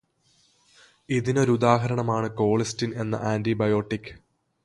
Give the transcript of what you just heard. ഇതിനൊരു ഉദാഹരണമാണ് കോളിസ്റ്റിന് എന്ന ആന്റിബയോടിക്.